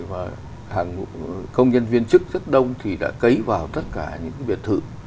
và hàng công nhân viên chức rất đông thì đã cấy vào tất cả những biệt thự